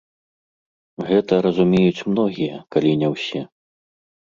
Гэта разумеюць многія, калі не ўсе.